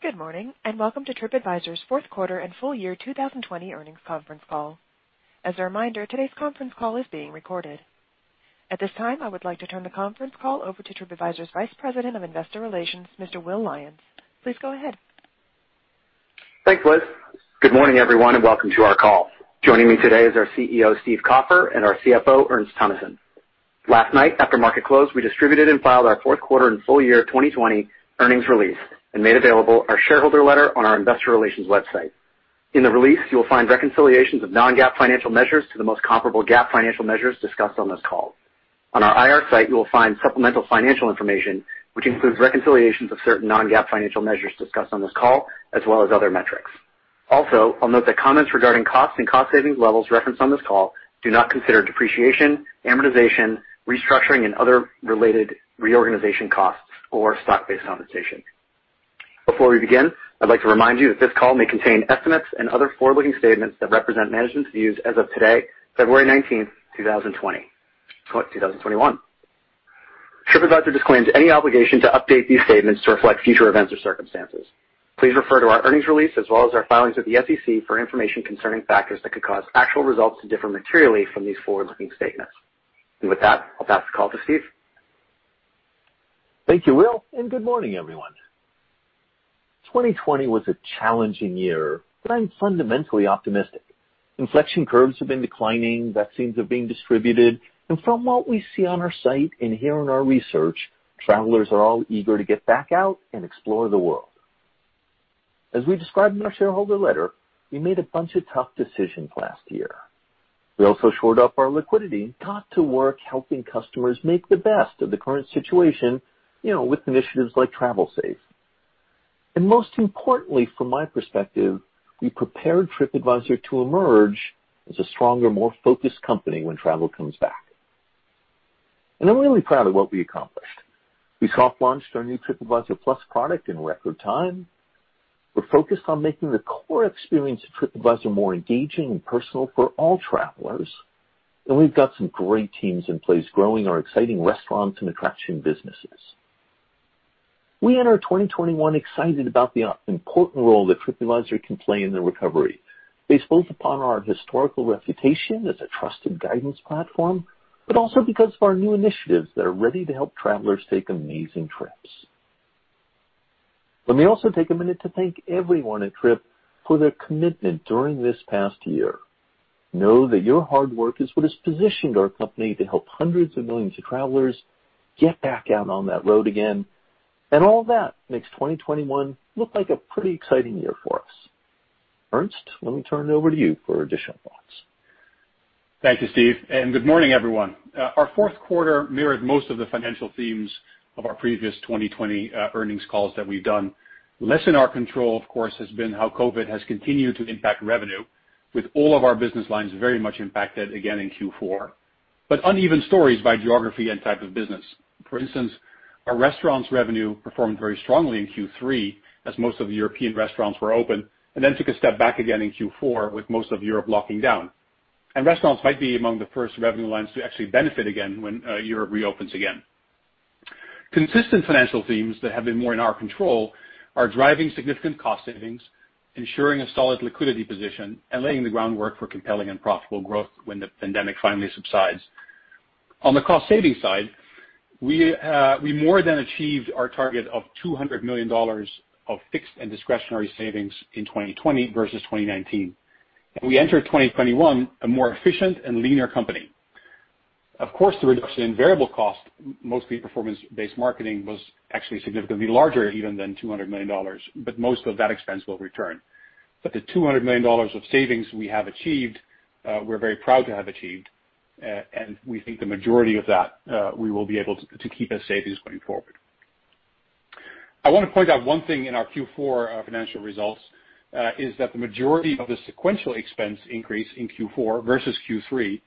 Good morning, and welcome to TripAdvisor's fourth quarter and full year 2020 earnings conference call. As a reminder, today's conference call is being recorded. At this time, I would like to turn the conference call over to TripAdvisor's Vice President of Investor Relations, Mr. Will Lyons. Please go ahead. Thanks, Liz. Good morning, everyone, and welcome to our call. Joining me today is our CEO, Steve Kaufer, and our CFO, Ernst Teunissen. Last night, after market close, we distributed and filed our fourth quarter and full year 2020 earnings release and made available our shareholder letter on our investor relations website. In the release, you will find reconciliations of non-GAAP financial measures to the most comparable GAAP financial measures discussed on this call. On our IR site, you will find supplemental financial information, which includes reconciliations of certain non-GAAP financial measures discussed on this call, as well as other metrics. I'll note that comments regarding costs and cost-savings levels referenced on this call do not consider depreciation, amortization, restructuring and other related reorganization costs or stock-based compensation. Before we begin, I'd like to remind you that this call may contain estimates and other forward-looking statements that represent management's views as of today, February 19th, 2021. TripAdvisor disclaims any obligation to update these statements to reflect future events or circumstances. Please refer to our earnings release as well as our filings with the SEC for information concerning factors that could cause actual results to differ materially from these forward-looking statements. With that, I'll pass the call to Steve. Thank you, Will, and good morning, everyone. 2020 was a challenging year, but I'm fundamentally optimistic. Infection curves have been declining, vaccines are being distributed, and from what we see on our site and hear in our research, travelers are all eager to get back out and explore the world. As we described in our shareholder letter, we made a bunch of tough decisions last year. We also shored up our liquidity and got to work helping customers make the best of the current situation, with initiatives like Travel Safe. Most importantly, from my perspective, I prepared TripAdvisor to emerge as a stronger, more focused company when travel comes back. I'm really proud of what we accomplished. We soft launched our new TripAdvisor Plus product in record time. We're focused on making the core experience of TripAdvisor more engaging and personal for all travelers, and we've got some great teams in place growing our exciting restaurants and attraction businesses. We enter 2021 excited about the important role that TripAdvisor can play in the recovery, based both upon our historical reputation as a trusted guidance platform, but also because of our new initiatives that are ready to help travelers take amazing trips. Let me also take a minute to thank everyone at Trip for their commitment during this past year. Know that your hard work is what has positioned our company to help hundreds of millions of travelers get back out on that road again, and all of that makes 2021 look like a pretty exciting year for us. Ernst, let me turn it over to you for additional thoughts. Thank you, Steve. Good morning, everyone. Our fourth quarter mirrored most of the financial themes of our previous 2020 earnings calls that we've done. Less in our control, of course, has been how COVID has continued to impact revenue, with all of our business lines very much impacted again in Q4, but uneven stories by geography and type of business. For instance, our restaurants revenue performed very strongly in Q3 as most of the European restaurants were open, and then took a step back again in Q4 with most of Europe locking down. Restaurants might be among the first revenue lines to actually benefit again when Europe reopens again. Consistent financial themes that have been more in our control are driving significant cost savings, ensuring a solid liquidity position, and laying the groundwork for compelling and profitable growth when the pandemic finally subsides. On the cost-saving side, we more than achieved our target of $200 million of fixed and discretionary savings in 2020 versus 2019. We enter 2021 a more efficient and leaner company. Of course, the reduction in variable cost, mostly performance-based marketing, was actually significantly larger even than $200 million, but most of that expense will return. The $200 million of savings we have achieved, we're very proud to have achieved, and we think the majority of that we will be able to keep as savings going forward. I want to point out one thing in our Q4 financial results, is that the majority of the sequential expense increase in Q4 versus Q3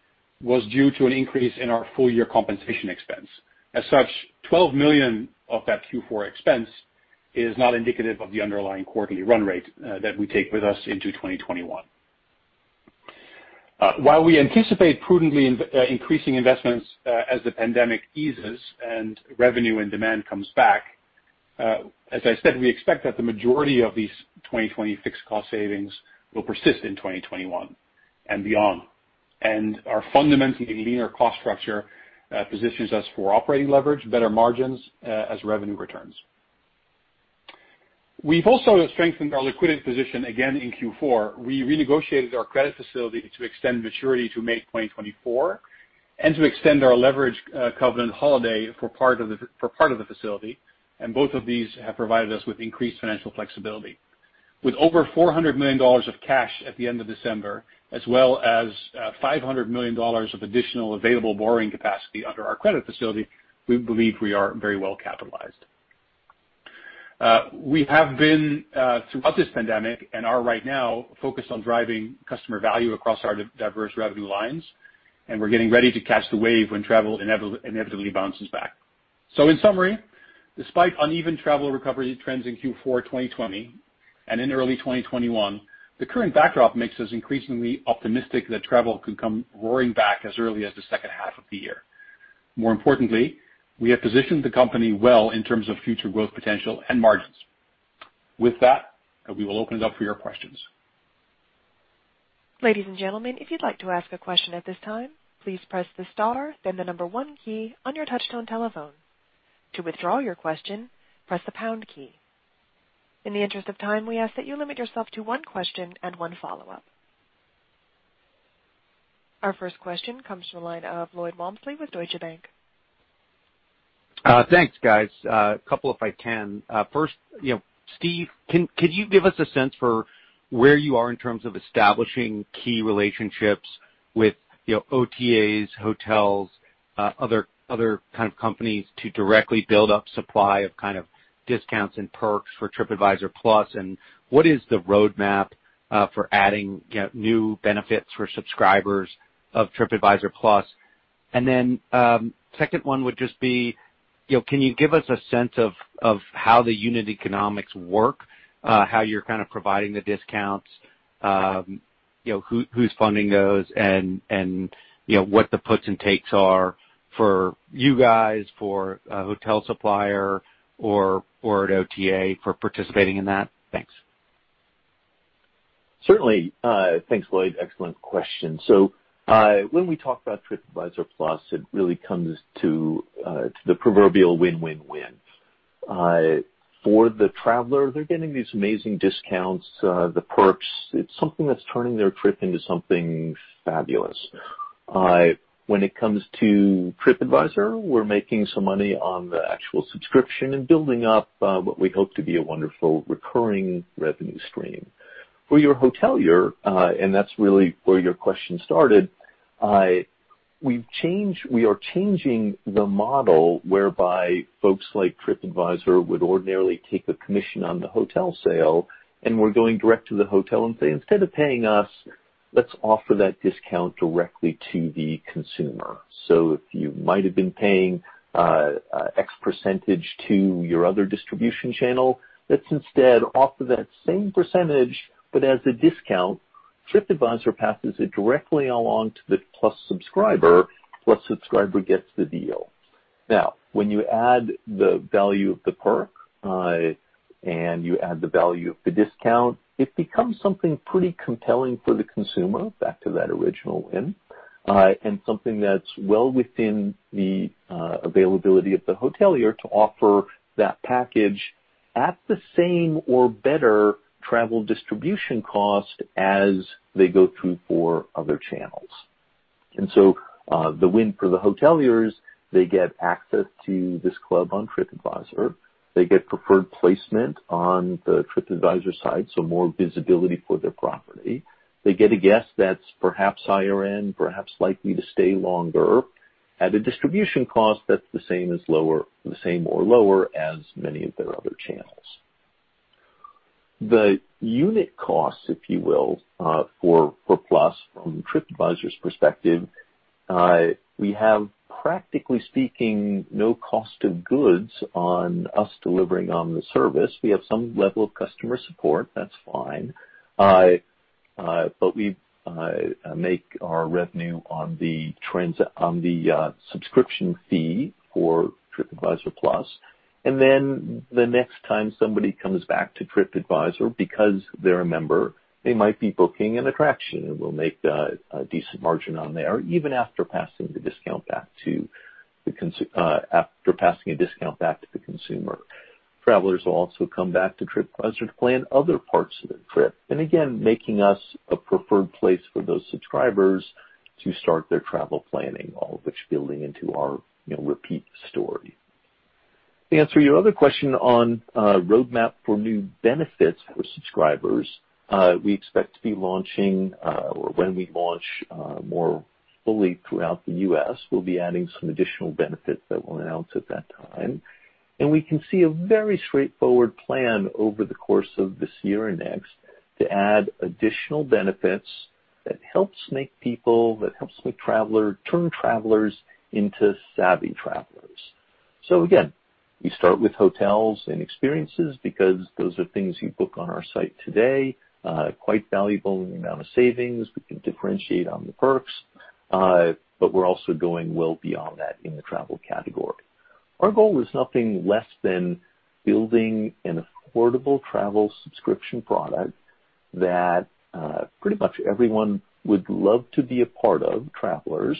was due to an increase in our full-year compensation expense. As such, $12 million of that Q4 expense is not indicative of the underlying quarterly run rate that we take with us into 2021. While we anticipate prudently increasing investments as the pandemic eases and revenue and demand comes back, as I said, we expect that the majority of these 2020 fixed cost savings will persist in 2021 and beyond. Our fundamentally leaner cost structure positions us for operating leverage, better margins as revenue returns. We've also strengthened our liquidity position again in Q4. We renegotiated our credit facility to extend maturity to May 2024 and to extend our leverage covenant holiday for part of the facility, both of these have provided us with increased financial flexibility. With over $400 million of cash at the end of December, as well as $500 million of additional available borrowing capacity under our credit facility, we believe we are very well capitalized. We have been, throughout this pandemic, and are right now, focused on driving customer value across our diverse revenue lines, and we're getting ready to catch the wave when travel inevitably bounces back. In summary, despite uneven travel recovery trends in Q4 2020 and in early 2021, the current backdrop makes us increasingly optimistic that travel can come roaring back as early as the second half of the year. More importantly, we have positioned the company well in terms of future growth potential and margins. With that, we will open it up for your questions. Our first question comes from the line of Lloyd Walmsley with Deutsche Bank. Thanks, guys. A couple if I can. First, Steve, could you give us a sense for where you are in terms of establishing key relationships with OTAs, hotels, other kind of companies to directly build up supply of kind of discounts and perks for TripAdvisor Plus? What is the roadmap for adding new benefits for subscribers of TripAdvisor Plus? Second one would just be, can you give us a sense of how the unit economics work, how you're kind of providing the discounts, who's funding those, and what the puts and takes are for you guys, for a hotel supplier or at OTA for participating in that? Thanks. Certainly. Thanks, Lloyd. Excellent question. When we talk about TripAdvisor Plus, it really comes to the proverbial win-win-win. For the traveler, they're getting these amazing discounts, the perks. It's something that's turning their trip into something fabulous. When it comes to TripAdvisor, we're making some money on the actual subscription and building up what we hope to be a wonderful recurring revenue stream. For your hotelier, and that's really where your question started, we are changing the model whereby folks like TripAdvisor would ordinarily take a commission on the hotel sale, and we're going direct to the hotel and say, "Instead of paying us, let's offer that discount directly to the consumer." If you might have been paying X percentage to your other distribution channel, let's instead offer that same percentage, but as a discount, TripAdvisor passes it directly along to the Plus subscriber, Plus subscriber gets the deal. Now, when you add the value of the perk and you add the value of the discount, it becomes something pretty compelling for the consumer, back to that original win, and something that's well within the availability of the hotelier to offer that package at the same or better travel distribution cost as they go through four other channels. The win for the hoteliers, they get access to this club on TripAdvisor. They get preferred placement on the TripAdvisor site, so more visibility for their property. They get a guest that's perhaps higher end, perhaps likely to stay longer at a distribution cost that's the same or lower as many of their other channels. The unit cost, if you will, for Plus from TripAdvisor's perspective, we have practically speaking, no cost of goods on us delivering on the service. We have some level of customer support, that's fine. We make our revenue on the subscription fee for TripAdvisor Plus. The next time somebody comes back to TripAdvisor because they're a member, they might be booking an attraction, and we'll make a decent margin on there, even after passing a discount back to the consumer. Travelers will also come back to TripAdvisor to plan other parts of their trip, again, making us a preferred place for those subscribers to start their travel planning, all of which building into our repeat story. To answer your other question on a roadmap for new benefits for subscribers, we expect to be launching, or when we launch more fully throughout the U.S., we'll be adding some additional benefits that we'll announce at that time. We can see a very straightforward plan over the course of this year and next to add additional benefits that helps make travelers into savvy travelers. Again, we start with hotels and experiences because those are things you book on our site today, quite valuable in the amount of savings. We can differentiate on the perks, we're also going well beyond that in the travel category. Our goal is nothing less than building an affordable travel subscription product that pretty much everyone would love to be a part of, travelers,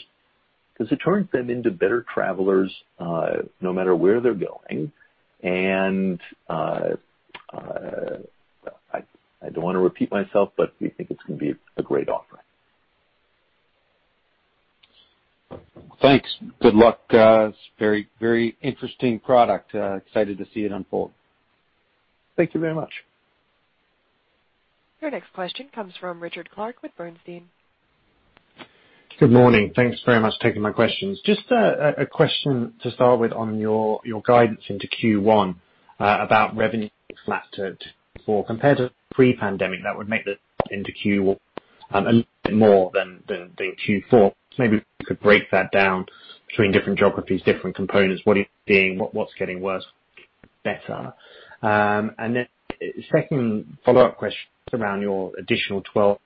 because it turns them into better travelers no matter where they're going. I don't want to repeat myself, but we think it's going to be a great offer. Thanks. Good luck. It's a very interesting product. Excited to see it unfold. Thank you very much. Your next question comes from Richard Clarke with Bernstein. Good morning. Thanks very much for taking my questions. Just a question to start with on your guidance into Q1 about revenue flat to Q4 compared to pre-pandemic, that would make the sequential decline a little bit more than Q4. Maybe if you could break that down between different geographies, different components, what's getting worse? Better? Second follow-up question around your additional 12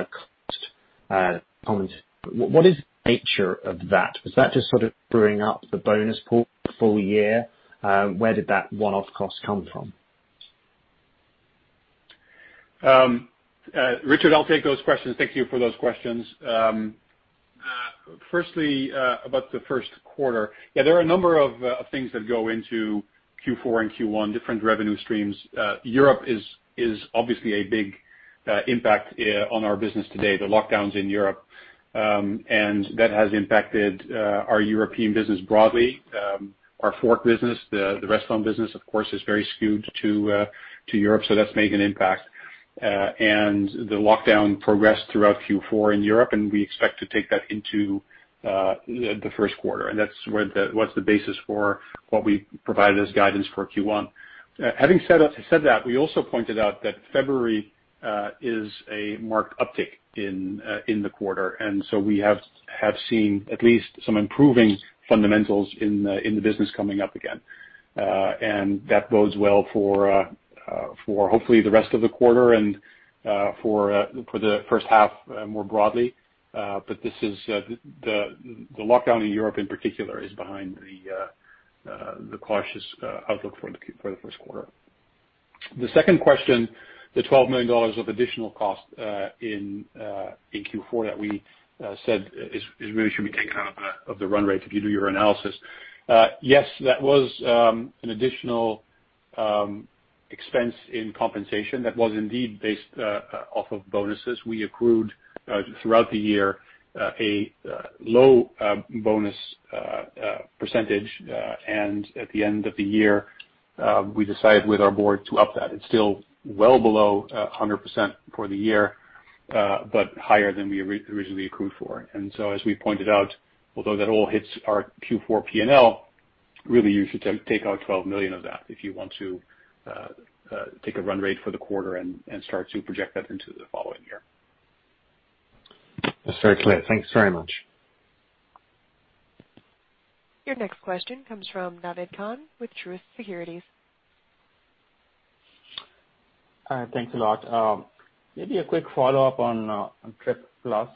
cost comment. What is the nature of that? Was that just sort of bringing up the bonus pool for the full year? Where did that one-off cost come from? Richard, I'll take those questions. Thank you for those questions. Firstly, about the first quarter. Yeah, there are a number of things that go into Q4 and Q1, different revenue streams. Europe is obviously a big impact on our business today, the lockdowns in Europe, that has impacted our European business broadly. Our TheFork business, the restaurant business, of course, is very skewed to Europe, that's made an impact. The lockdown progressed throughout Q4 in Europe, we expect to take that into the first quarter, that's what's the basis for what we provided as guidance for Q1. Having said that, we also pointed out that February is a marked uptick in the quarter, we have seen at least some improving fundamentals in the business coming up again. That bodes well for hopefully the rest of the quarter and for the first half more broadly. The lockdown in Europe in particular is behind the cautious outlook for the first quarter. The second question, the $12 million of additional cost in Q4 that we said is really should be taken out of the run rate if you do your analysis. Yes, that was an additional expense in compensation that was indeed based off of bonuses. We accrued, throughout the year, a low bonus %, and at the end of the year, we decided with our board to up that. It's still well below 100% for the year but higher than we originally accrued for. As we pointed out, although that all hits our Q4 P&L, really you should take out $12 million of that if you want to take a run rate for the quarter and start to project that into the following year. That's very clear. Thanks very much. Your next question comes from Naved Khan with Truist Securities. Thanks a lot. Maybe a quick follow-up on TripAdvisor Plus.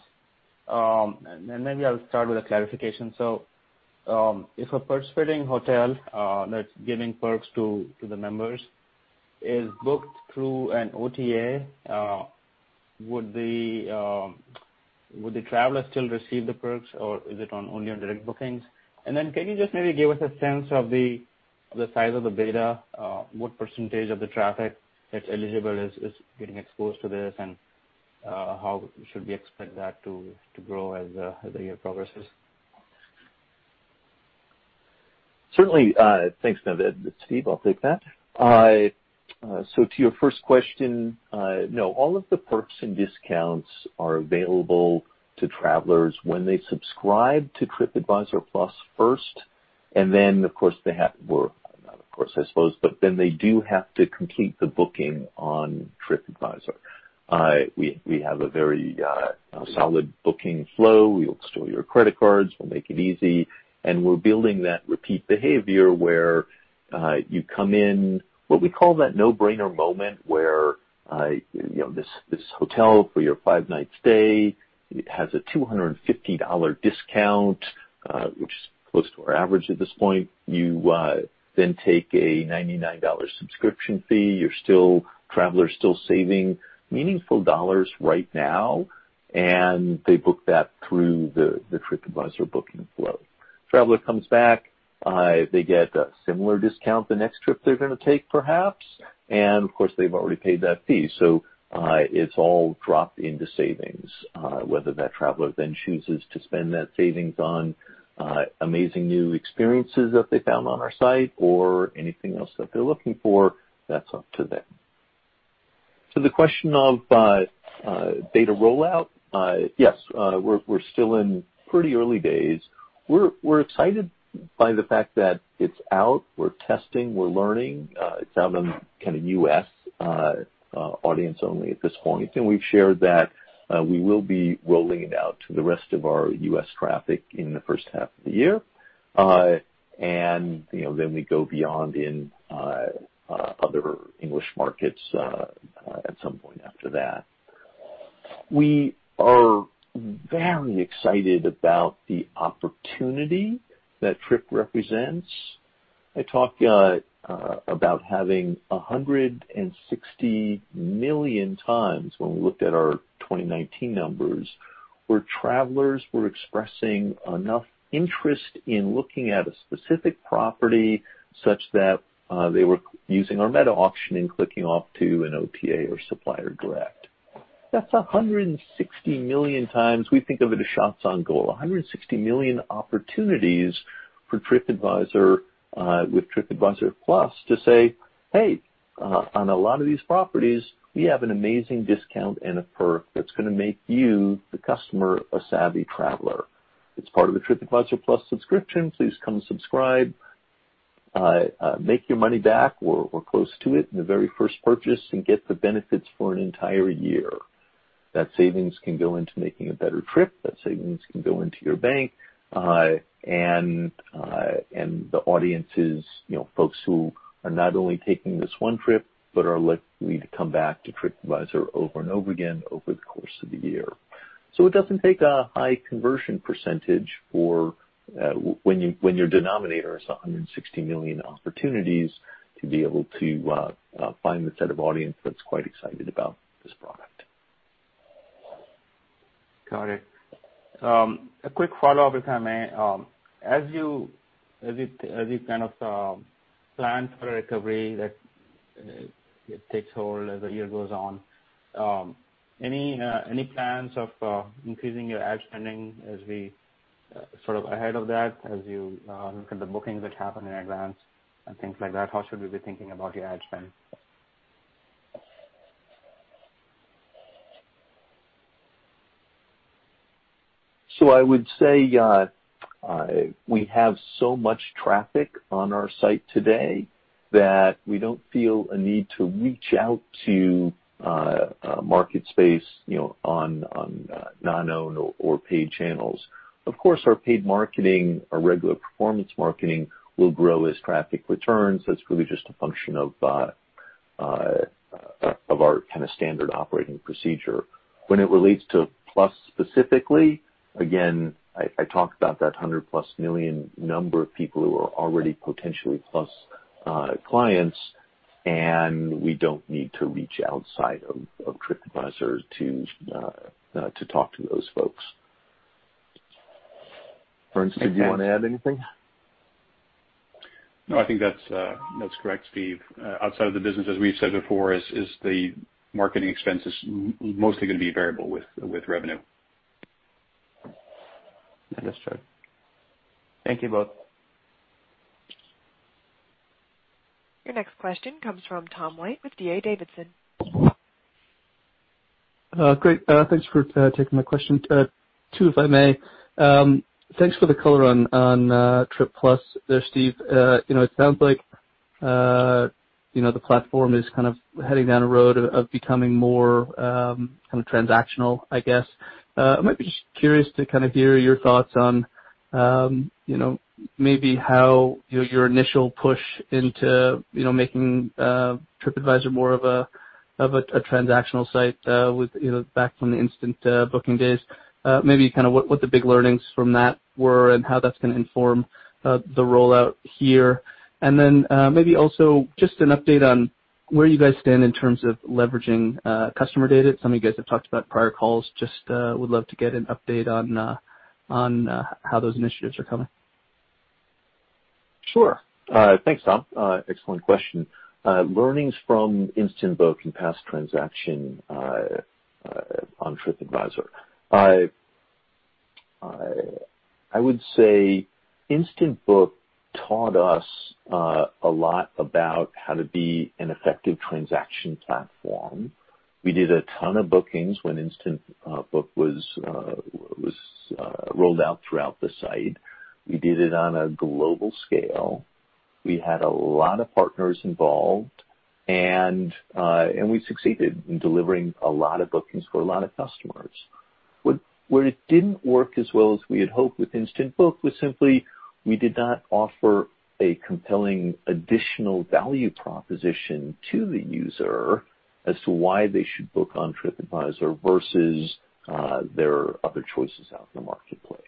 Maybe I'll start with a clarification. If a participating hotel that's giving perks to the members is booked through an OTA, would the traveler still receive the perks, or is it only on direct bookings? Then can you just maybe give us a sense of the size of the beta, what % of the traffic that's eligible is getting exposed to this, and how should we expect that to grow as the year progresses? Certainly. Thanks, Naved. It's Steve, I'll take that. To your first question, no, all of the perks and discounts are available to travelers when they subscribe to TripAdvisor Plus first, and then, of course, well, not of course, I suppose, but then they do have to complete the booking on TripAdvisor. We have a very solid booking flow. We'll store your credit cards, we'll make it easy, and we're building that repeat behavior where you come in, what we call that no-brainer moment where this hotel for your five-night stay has a $250 discount, which is close to our average at this point. You take a $99 subscription fee. Travelers still saving meaningful dollars right now, and they book that through the TripAdvisor booking flow. Traveler comes back, they get a similar discount the next trip they're going to take perhaps, and of course, they've already paid that fee, so it's all dropped into savings. Whether that traveler then chooses to spend that savings on amazing new experiences that they found on our site or anything else that they're looking for, that's up to them. To the question of beta rollout, yes, we're still in pretty early days. We're excited by the fact that it's out, we're testing, we're learning. It's out on kind of U.S. audience only at this point. We've shared that we will be rolling it out to the rest of our U.S. traffic in the first half of the year. We go beyond in other English markets at some point after that. We are very excited about the opportunity that Trip represents. I talked about having 160 million times when we looked at our 2019 numbers where travelers were expressing enough interest in looking at a specific property such that they were using our meta auctioning, clicking off to an OTA or supplier direct. That's 160 million times we think of it as shots on goal, 160 million opportunities for TripAdvisor with TripAdvisor Plus to say, "Hey, on a lot of these properties, we have an amazing discount and a perk that's going to make you, the customer, a savvy traveler. It's part of the TripAdvisor Plus subscription. Please come subscribe. Make your money back, or close to it in the very first purchase and get the benefits for an entire year. That savings can go into making a better trip, that savings can go into your bank. The audience is folks who are not only taking this one trip, but are likely to come back to TripAdvisor over and over again over the course of the year. It doesn't take a high conversion % for when your denominator is 160 million opportunities to be able to find the set of audience that's quite excited about this product. Got it. A quick follow-up, if I may. As you kind of plan for a recovery that it takes hold as the year goes on, any plans of increasing your ad spending as we sort of ahead of that, as you look at the bookings that happen in advance and things like that, how should we be thinking about your ad spend? I would say, we have so much traffic on our site today that we don't feel a need to reach out to market space on non-owned or paid channels. Of course, our paid marketing, our regular performance marketing will grow as traffic returns. That's really just a function of our kind of standard operating procedure. When it relates to Plus specifically, again, I talked about that 100 plus million number of people who are already potentially Plus clients, and we don't need to reach outside of TripAdvisor to talk to those folks. Ernst, did you want to add anything? No, I think that's correct, Steve. Outside of the business, as we've said before, is the marketing expense is mostly going to be variable with revenue. Understood. Thank you both. Your next question comes from Tom White with D.A. Davidson. Great. Thanks for taking my question. Two, if I may. Thanks for the color on TripAdvisor Plus there, Steve. It sounds like the platform is kind of heading down a road of becoming more kind of transactional, I guess. I might be just curious to kind of hear your thoughts on maybe how your initial push into making TripAdvisor more of a transactional site back from the Instant Booking days, maybe kind of what the big learnings from that were and how that's going to inform the rollout here. Then maybe also just an update on where you guys stand in terms of leveraging customer data. Some of you guys have talked about prior calls, just would love to get an update on how those initiatives are coming. Sure. Thanks, Tom. Excellent question. Learnings from Instant Book and past transaction on TripAdvisor. I would say Instant Book taught us a lot about how to be an effective transaction platform. We did a ton of bookings when Instant Book was rolled out throughout the site. We did it on a global scale. We had a lot of partners involved, and we succeeded in delivering a lot of bookings for a lot of customers. Where it didn't work as well as we had hoped with Instant Book was simply we did not offer a compelling additional value proposition to the user as to why they should book on TripAdvisor versus their other choices out in the marketplace.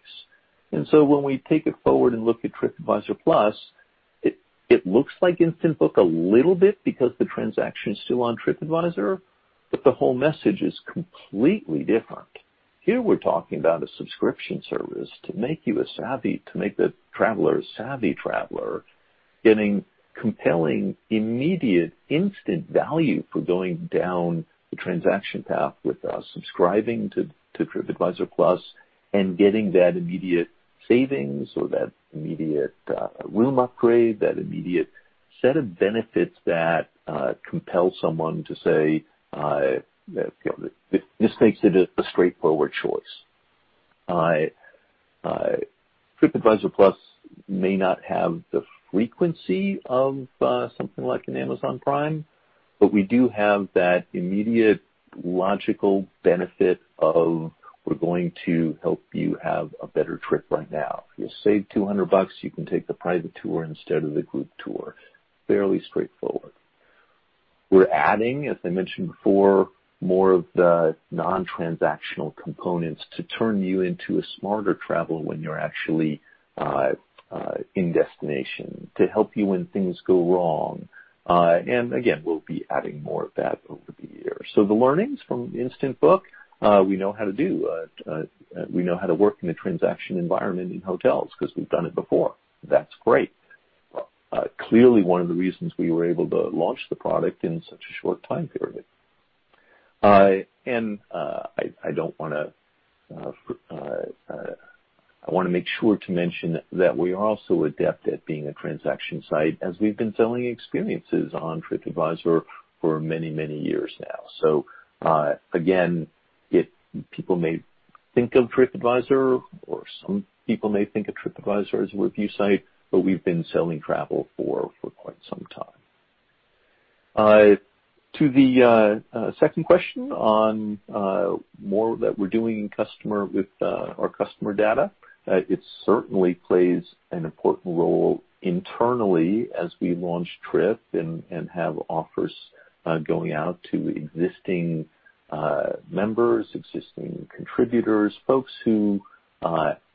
When we take it forward and look at TripAdvisor Plus, it looks like Instant Book a little bit because the transaction's still on TripAdvisor, but the whole message is completely different. Here we're talking about a subscription service to make you a savvy traveler, getting compelling, immediate, instant value for going down the transaction path with us, subscribing to TripAdvisor Plus, and getting that immediate savings or that immediate room upgrade, that immediate set of benefits that compel someone to say, this makes it a straightforward choice. TripAdvisor Plus may not have the frequency of something like an Amazon Prime, we do have that immediate logical benefit of, we're going to help you have a better trip right now. If you save $200, you can take the private tour instead of the group tour. Fairly straightforward. We're adding, as I mentioned before, more of the non-transactional components to turn you into a smarter traveler when you're actually in destination, to help you when things go wrong. Again, we'll be adding more of that over the year. The learnings from Instant Book, we know how to do. We know how to work in a transaction environment in hotels because we've done it before. That's great. Clearly one of the reasons we were able to launch the product in such a short time period. I want to make sure to mention that we are also adept at being a transaction site as we've been selling experiences on TripAdvisor for many, many years now. Again, people may think of TripAdvisor, or some people may think of TripAdvisor as a review site, but we've been selling travel for quite some time. To the second question on more that we're doing with our customer data, it certainly plays an important role internally as we launch Trip and have offers going out to existing members, existing contributors, folks who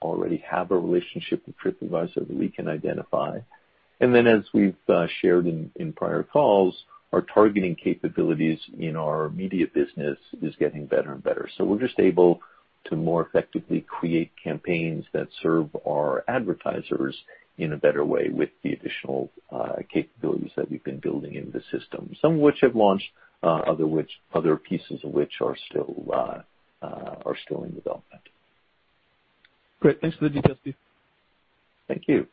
already have a relationship with TripAdvisor that we can identify. As we've shared in prior calls, our targeting capabilities in our media business is getting better and better. We're just able to more effectively create campaigns that serve our advertisers in a better way with the additional capabilities that we've been building into the system, some of which have launched, other pieces of which are still in development. Great. Thanks for the details, Steve. Thank you.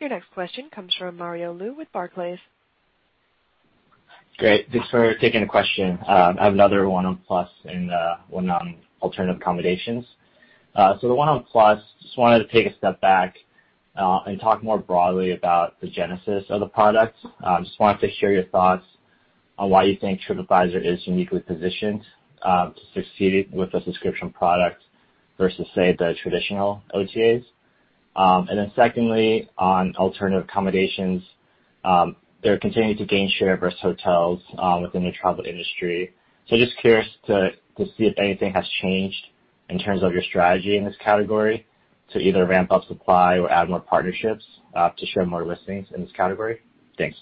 Your next question comes from Mario Lu with Barclays. Great. Thanks for taking the question. I have another one on Plus and one on alternative accommodations. The one on Plus, just wanted to take a step back and talk more broadly about the genesis of the product. Just wanted to hear your thoughts on why you think TripAdvisor is uniquely positioned to succeed with a subscription product versus, say, the traditional OTAs. Secondly, on alternative accommodations, they're continuing to gain share versus hotels within the travel industry. Just curious to see if anything has changed in terms of your strategy in this category to either ramp up supply or add more partnerships to share more listings in this category. Thanks.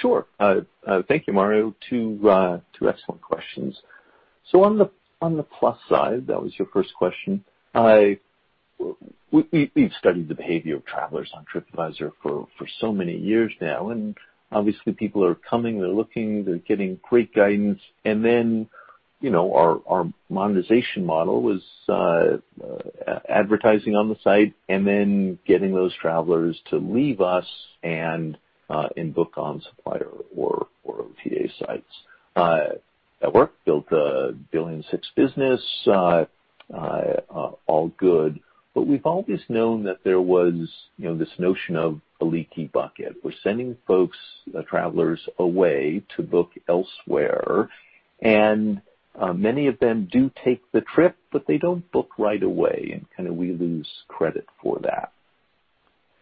Sure. Thank you, Mario. Two excellent questions. On the TripAdvisor Plus side, that was your first question, we've studied the behavior of travelers on TripAdvisor for so many years now, and obviously people are coming, they're looking, they're getting great guidance. Our monetization model was advertising on the site and then getting those travelers to leave us and book on supplier or OTA sites. That worked, built a $1.6 billion business, all good. We've always known that there was this notion of a leaky bucket. We're sending folks, travelers, away to book elsewhere, and many of them do take the trip, but they don't book right away, and we lose credit for that.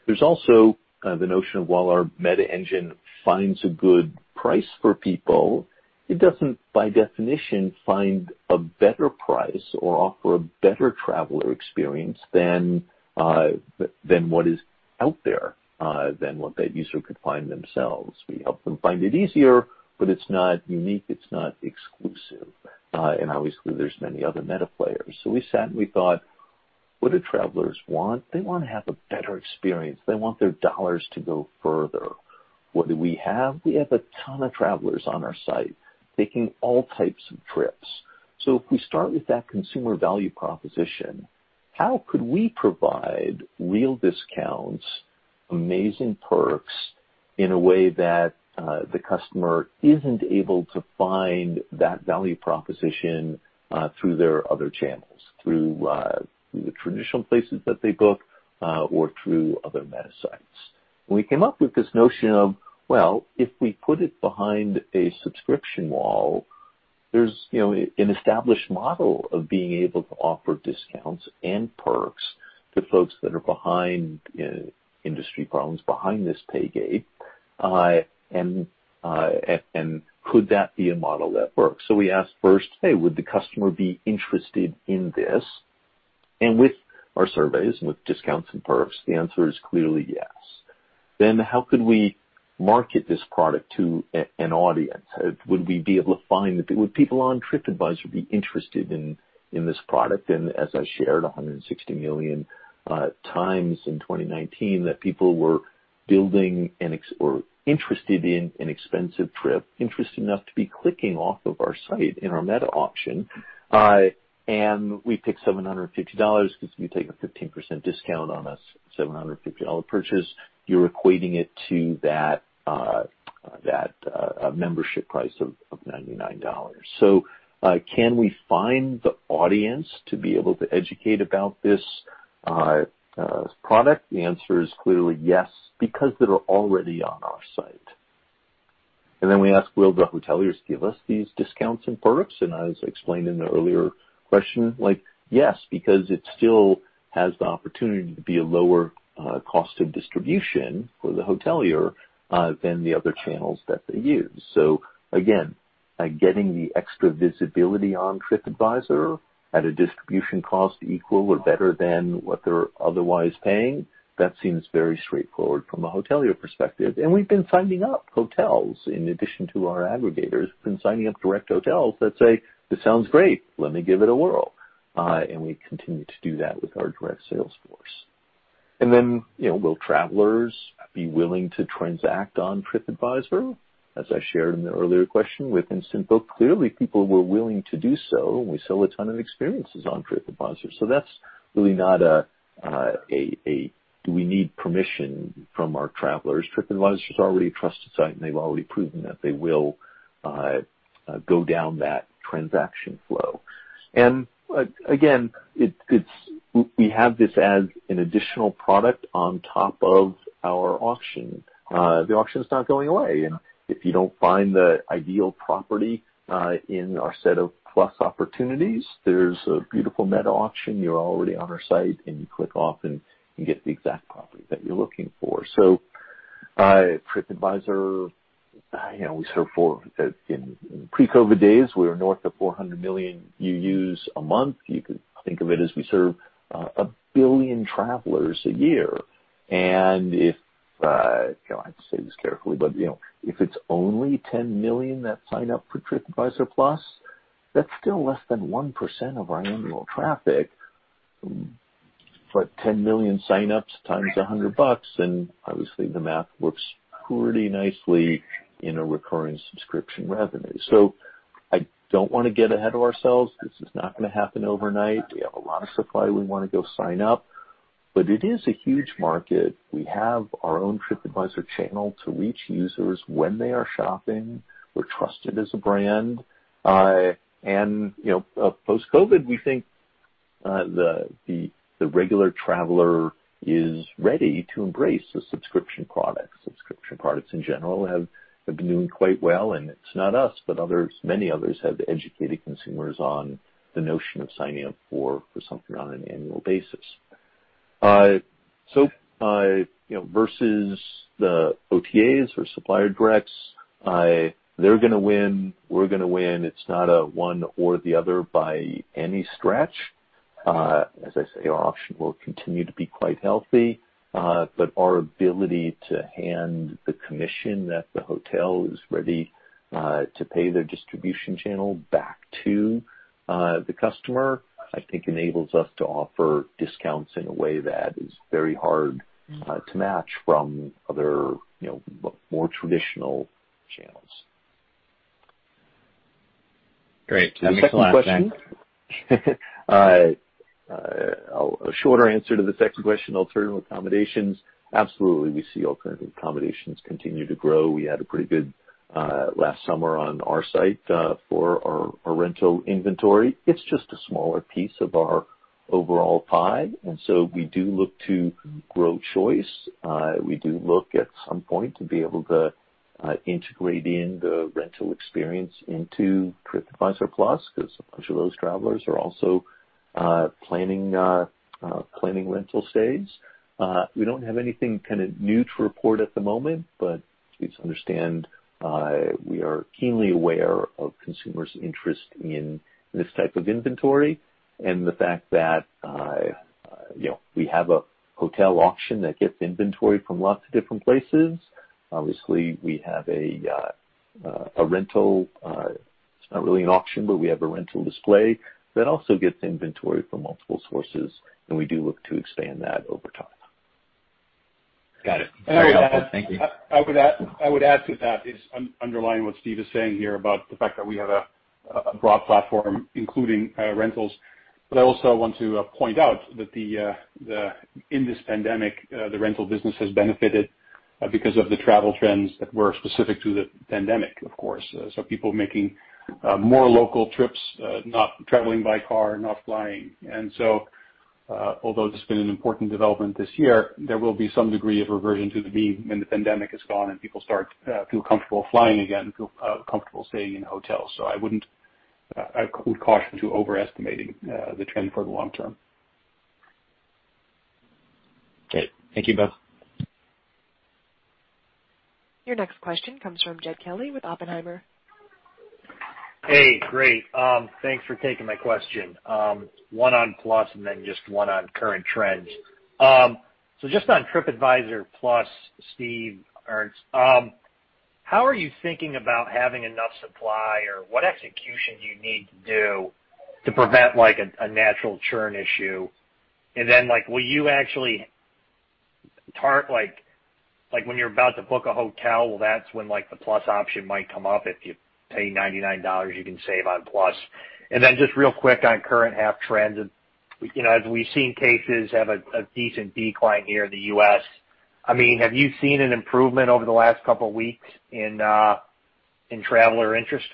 There's also the notion of while our meta engine finds a good price for people, it doesn't, by definition, find a better price or offer a better traveler experience than what is out there, than what that user could find themselves. We help them find it easier, but it's not unique, it's not exclusive. Obviously there's many other meta players. We sat and we thought, what do travelers want? They want to have a better experience. They want their dollars to go further. What do we have? We have a ton of travelers on our site taking all types of trips. If we start with that consumer value proposition, how could we provide real discounts, amazing perks in a way that the customer isn't able to find that value proposition through their other channels, through the traditional places that they book, or through other meta sites? We came up with this notion of, well, if we put it behind a subscription wall, there's an established model of being able to offer discounts and perks to folks that are behind opaque channels, behind this pay gate, and could that be a model that works? We asked first, hey, would the customer be interested in this? With our surveys, and with discounts and perks, the answer is clearly yes. How could we market this product to an audience? Would people on TripAdvisor be interested in this product? As I shared, 160 million times in 2019 that people were interested in an expensive trip, interested enough to be clicking off of our site in our meta auction. We picked $750 because if you take a 15% discount on a $750 purchase, you're equating it to that membership price of $99. Can we find the audience to be able to educate about this product? The answer is clearly yes, because they're already on our site. We ask, will the hoteliers give us these discounts and perks? As I explained in the earlier question, yes, because it still has the opportunity to be a lower cost of distribution for the hotelier than the other channels that they use. Again, getting the extra visibility on TripAdvisor at a distribution cost equal or better than what they're otherwise paying, that seems very straightforward from a hotelier perspective. We've been signing up hotels in addition to our aggregators, been signing up direct hotels that say, "This sounds great. Let me give it a whirl." We continue to do that with our direct sales force. Will travelers be willing to transact on TripAdvisor? As I shared in the earlier question with Instant Book, clearly people were willing to do so, and we sell a ton of experiences on TripAdvisor. That's really not a do we need permission from our travelers. TripAdvisor's already a trusted site, and they've already proven that they will go down that transaction flow. Again, we have this as an additional product on top of our auction. The auction's not going away, and if you don't find the ideal property in our set of Plus opportunities, there's a beautiful meta auction. You're already on our site, and you click off and you get the exact property that you're looking for. TripAdvisor, in pre-COVID days, we were north of 400 million UUs a month. You could think of it as we serve 1 billion travelers a year. I have to say this carefully, but if it's only 10 million that sign up for TripAdvisor Plus, that's still less than 1% of our annual traffic. 10 million sign-ups times $100, obviously the math works pretty nicely in a recurring subscription revenue. I don't want to get ahead of ourselves. This is not going to happen overnight. We have a lot of supply we want to go sign up, but it is a huge market. We have our own TripAdvisor channel to reach users when they are shopping. We're trusted as a brand. Post-COVID, we think the regular traveler is ready to embrace the subscription products. Subscription products in general have been doing quite well, and it's not us, but many others have educated consumers on the notion of signing up for something on an annual basis. Versus the OTAs or supplier directs, they're going to win, we're going to win. It's not a one or the other by any stretch. As I say, our auction will continue to be quite healthy, but our ability to hand the commission that the hotel is ready to pay their distribution channel back to the customer, I think, enables us to offer discounts in a way that is very hard to match from other, more traditional channels. Great. Thanks a lot. The second question, a shorter answer to the second question, alternative accommodations. Absolutely, we see alternative accommodations continue to grow. We had a pretty good last summer on our site for our rental inventory. It's just a smaller piece of our overall pie, and so we do look to grow choice. We do look at some point to be able to integrate in the rental experience into TripAdvisor Plus, because a bunch of those travelers are also planning rental stays. We don't have anything new to report at the moment, but please understand, we are keenly aware of consumers' interest in this type of inventory and the fact that we have a hotel auction that gets inventory from lots of different places. Obviously, we have a rental, it's not really an auction, but we have a rental display that also gets inventory from multiple sources, and we do look to expand that over time. Got it. Very helpful. Thank you. I would add to that, just underlying what Steve is saying here about the fact that we have a broad platform, including rentals. I also want to point out that in this pandemic, the rental business has benefited because of the travel trends that were specific to the pandemic, of course. People making more local trips, not traveling by car, not flying. Although this has been an important development this year, there will be some degree of reversion to the mean when the pandemic is gone and people start to feel comfortable flying again, feel comfortable staying in hotels. I would caution to overestimating the trend for the long term. Okay. Thank you both. Your next question comes from Jed Kelly with Oppenheimer. Hey, great. Thanks for taking my question. One on Plus and then just one on current trends. Just on TripAdvisor Plus, Steve, Ernst Teunissen, how are you thinking about having enough supply, or what execution do you need to do to prevent a natural churn issue? Will you actually when you're about to book a hotel, well, that's when the Plus option might come up. If you pay $99, you can save on Plus. Just real quick on current app trends, as we've seen cases have a decent decline here in the U.S., have you seen an improvement over the last couple of weeks in traveler interest?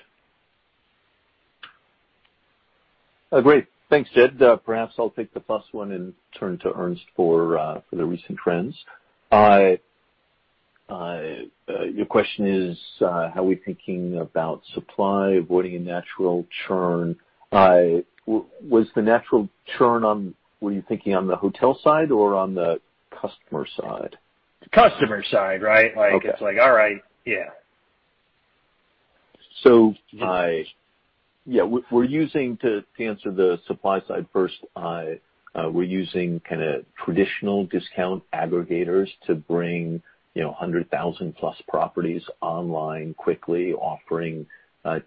Great. Thanks, Jed. Perhaps I'll take the Plus one and turn to Ernst for the recent trends. Your question is, how are we thinking about supply, avoiding a natural churn? Were you thinking on the hotel side or on the customer side? Customer side, right. Okay. It's like, all right. Yeah. To answer the supply side first, we're using traditional discount aggregators to bring 100,000-plus properties online quickly, offering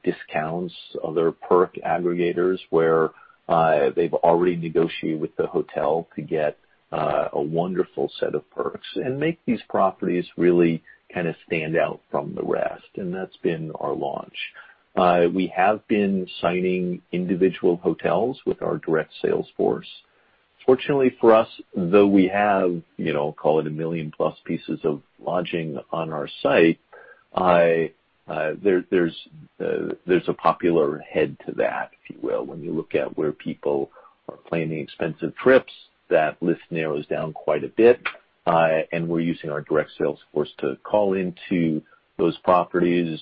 discounts. Other perk aggregators, where they've already negotiated with the hotel to get a wonderful set of perks and make these properties really stand out from the rest, and that's been our launch. We have been signing individual hotels with our direct sales force. Fortunately for us, though we have, call it a 1 million-plus pieces of lodging on our site, there's a popular head to that, if you will, when you look at where people are planning expensive trips, that list narrows down quite a bit. We're using our direct sales force to call into those properties,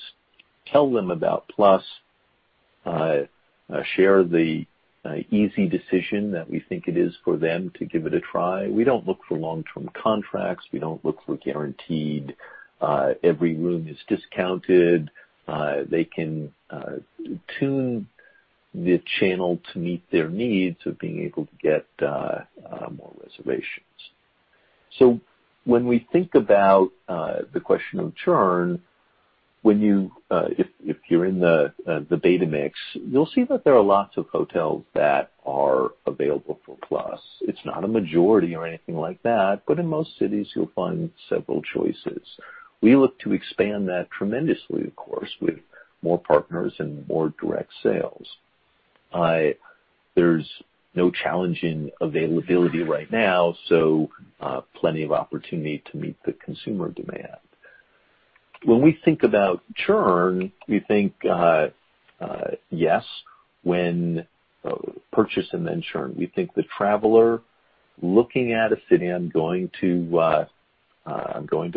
tell them about Plus, share the easy decision that we think it is for them to give it a try. We don't look for long-term contracts. We don't look for guaranteed every room is discounted. They can tune the channel to meet their needs of being able to get more reservations. When we think about the question of churn, if you're in the beta mix, you'll see that there are lots of hotels that are available for Plus. It's not a majority or anything like that, but in most cities you'll find several choices. We look to expand that tremendously, of course, with more partners and more direct sales. There's no challenge in availability right now, so plenty of opportunity to meet the consumer demand. When we think about churn, we think, yes, when purchase and then churn. We think the traveler looking at a city. I'm going to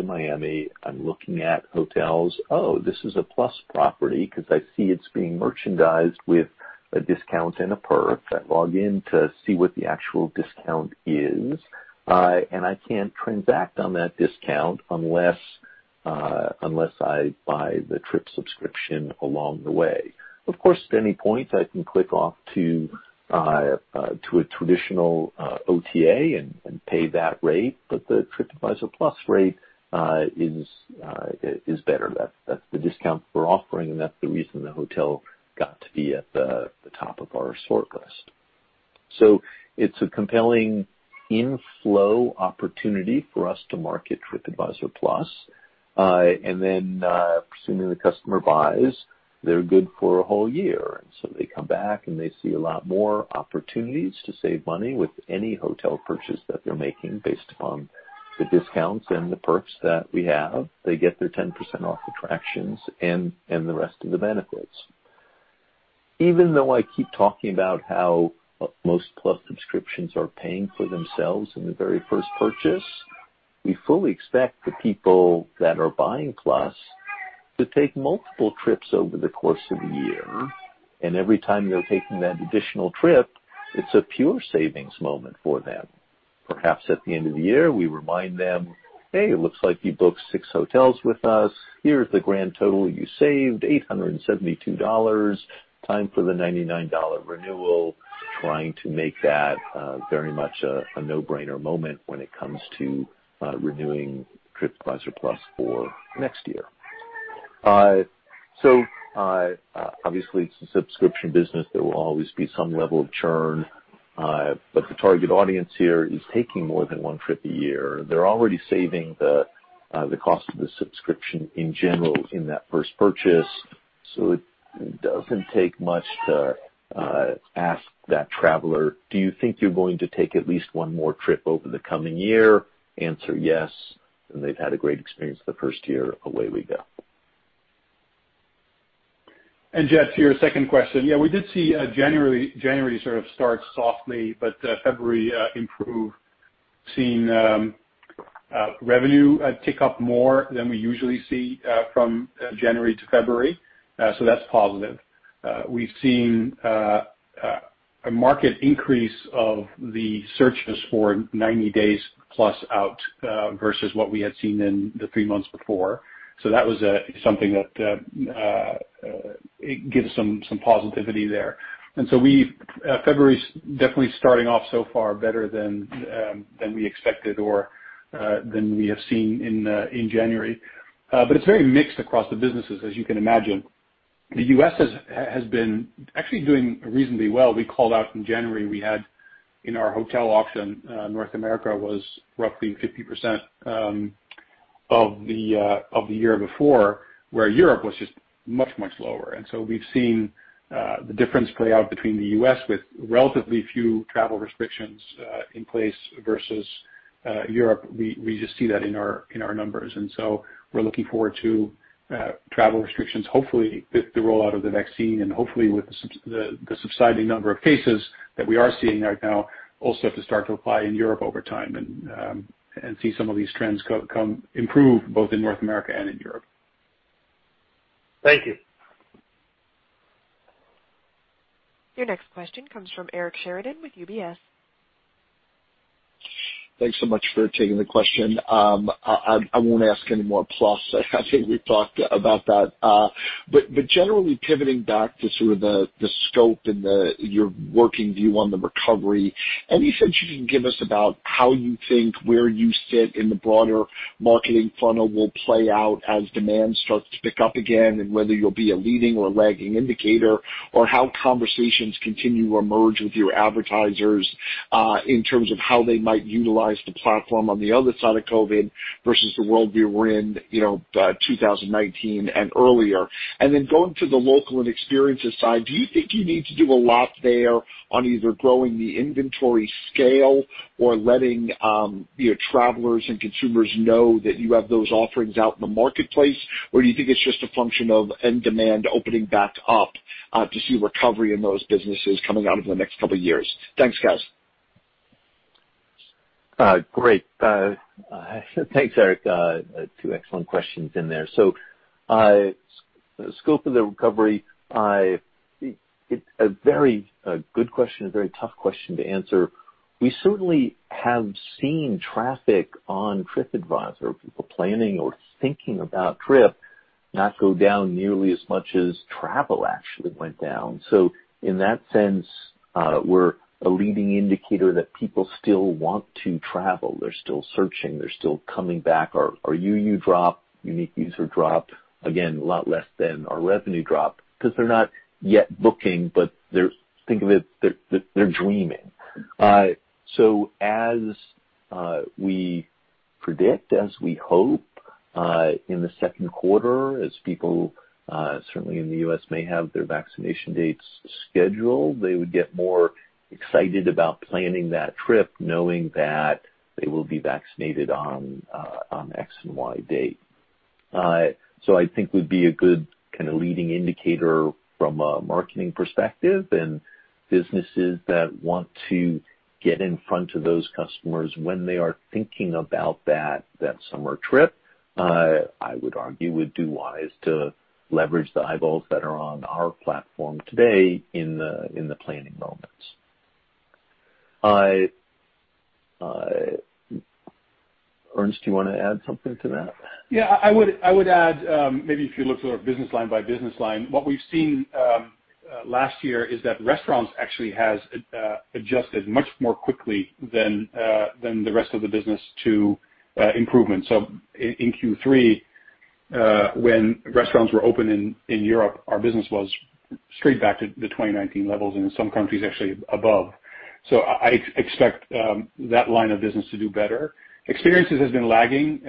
Miami. I'm looking at hotels. Oh, this is a Plus property because I see it's being merchandised with a discount and a perk. I log in to see what the actual discount is. I can't transact on that discount unless I buy the Trip subscription along the way. Of course, at any point, I can click off to a traditional OTA and pay that rate. The TripAdvisor Plus rate is better. That's the discount we're offering. That's the reason the hotel got to be at the top of our sort list. It's a compelling inflow opportunity for us to market TripAdvisor Plus. Then, presumably the customer buys, they're good for a whole year. They come back and they see a lot more opportunities to save money with any hotel purchase that they're making based upon the discounts and the perks that we have. They get their 10% off attractions and the rest of the benefits. Even though I keep talking about how most Plus subscriptions are paying for themselves in the very first purchase, we fully expect the people that are buying Plus to take multiple trips over the course of a year, and every time they're taking that additional trip, it's a pure savings moment for them. Perhaps at the end of the year, we remind them, "Hey, it looks like you booked six hotels with us. Here's the grand total you saved, $872. Time for the $99 renewal." Trying to make that very much a no-brainer moment when it comes to renewing TripAdvisor Plus for next year. Obviously it's a subscription business. There will always be some level of churn. The target audience here is taking more than one trip a year. They're already saving the cost of the subscription in general in that first purchase. It doesn't take much to ask that traveler, "Do you think you're going to take at least one more trip over the coming year?" Answer, "Yes," they've had a great experience the first year, away we go. Jed, yeah, we did see January sort of start softly, but February improve, seeing revenue tick up more than we usually see from January to February. That's positive. We've seen a market increase of the searches for 90 days plus out, versus what we had seen in the three months before. That was something that gives some positivity there. February's definitely starting off so far better than we expected or than we have seen in January. It's very mixed across the businesses, as you can imagine. The U.S. has been actually doing reasonably well. We called out in January, we had in our hotel auction, North America was roughly 50% of the year before, where Europe was just much, much lower. We've seen the difference play out between the U.S. with relatively few travel restrictions in place versus Europe. We just see that in our numbers. We're looking forward to travel restrictions, hopefully with the rollout of the vaccine and hopefully with the subsiding number of cases that we are seeing right now also to start to apply in Europe over time and see some of these trends improve both in North America and in Europe. Thank you. Your next question comes from Eric Sheridan with UBS. Thanks so much for taking the question. I won't ask any more Plus. I think we've talked about that. Generally pivoting back to sort of the scope and your working view on the recovery, any sense you can give us about how you think where you sit in the broader marketing funnel will play out as demand starts to pick up again, and whether you'll be a leading or lagging indicator or how conversations continue to emerge with your advertisers, in terms of how they might utilize the platform on the other side of COVID versus the world we were in 2019 and earlier. Then going to the local and experiences side, do you think you need to do a lot there on either growing the inventory scale or letting your travelers and consumers know that you have those offerings out in the marketplace? Do you think it's just a function of end demand opening back up to see recovery in those businesses coming out over the next couple of years? Thanks, guys. Great. Thanks, Eric. Two excellent questions in there. Scope of the recovery, it's a very good question, a very tough question to answer. We certainly have seen traffic on TripAdvisor, people planning or thinking about trip not go down nearly as much as travel actually went down. In that sense, we're a leading indicator that people still want to travel. They're still searching, they're still coming back. Our UU drop, unique user drop, again, a lot less than our revenue drop because they're not yet booking, but think of it, they're dreaming. As we predict, as we hope, in the second quarter, as people, certainly in the U.S., may have their vaccination dates scheduled, they would get more excited about planning that trip knowing that they will be vaccinated on X and Y date. I think we'd be a good leading indicator from a marketing perspective and businesses that want to get in front of those customers when they are thinking about that summer trip, I would argue would do wise to leverage the eyeballs that are on our platform today in the planning moments. Ernst, do you want to add something to that? Yeah, I would add, maybe if you look sort of business line by business line, what we've seen last year is that restaurants actually has adjusted much more quickly than the rest of the business to improvement. In Q3, when restaurants were open in Europe, our business was straight back to the 2019 levels and in some countries actually above. I expect that line of business to do better. Experiences has been lagging,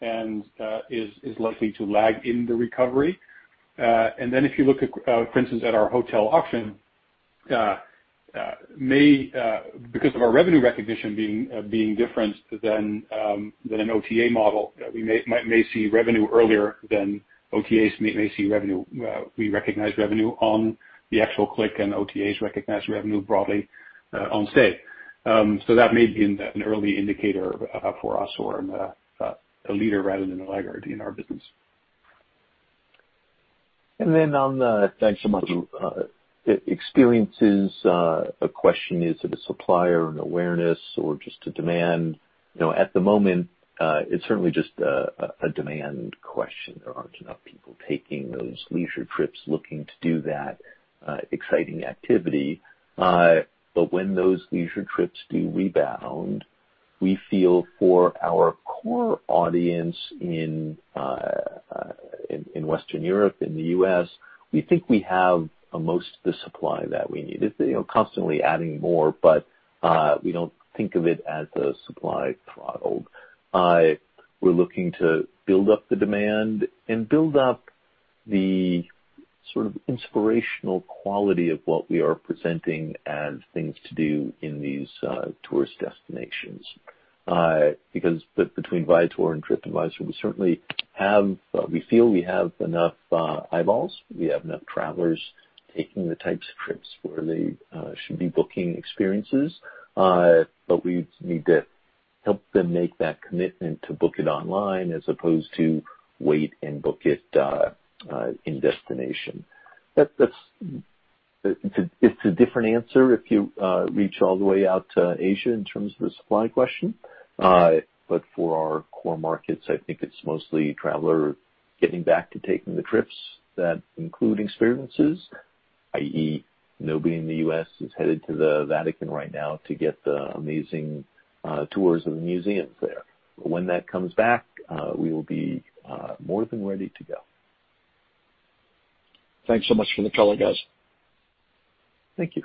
and is likely to lag in the recovery. If you look at, for instance, at our hotel auction, because of our revenue recognition being different than an OTA model, we may see revenue earlier than OTAs may see revenue. We recognize revenue on the actual click and OTAs recognize revenue broadly on stay. That may be an early indicator for us or a leader rather than a laggard in our business. Thanks so much experiences, a question, is it a supplier, an awareness or just a demand? At the moment, it's certainly just a demand question. There aren't enough people taking those leisure trips looking to do that exciting activity. But when those leisure trips do rebound, we feel for our core audience in Western Europe, in the U.S., we think we have most of the supply that we need, constantly adding more, but we don't think of it as a supply throttled. We're looking to build up the demand and build up the inspirational quality of what we are presenting as things to do in these tourist destinations. Because between Viator and TripAdvisor, we certainly feel we have enough eyeballs, we have enough travelers taking the types of trips where they should be booking experiences. We need to help them make that commitment to book it online as opposed to wait and book it in destination. It's a different answer if you reach all the way out to Asia in terms of the supply question. For our core markets, I think it's mostly traveler getting back to taking the trips that include experiences, i.e., nobody in the U.S. is headed to the Vatican right now to get the amazing tours of the museums there. When that comes back, we will be more than ready to go. Thanks so much for the color, guys. Thank you.